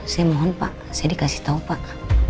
saya mohon pak saya dikasih tahu pak